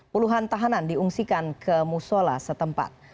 puluhan tahanan diungsikan ke musola setempat